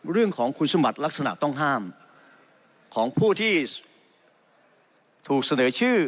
เรื่องของคุณสมบัติลักษณะต้องห้ามของผู้ที่ถูกเสนอชื่อ